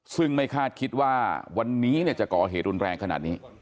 ซึ่งไม่คาดคิดว่าวันนี้จะก่อเหตุรุนแรงขนาดนี้